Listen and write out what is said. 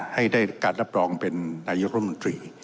ให้ได้การรับรองเป็นนายกรมนตรี